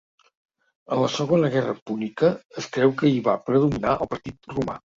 En la Segona Guerra púnica, es creu que hi va predominar el partit romà.